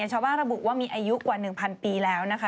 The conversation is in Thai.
ชาวบ้านระบุว่ามีอายุกว่า๑๐๐ปีแล้วนะคะ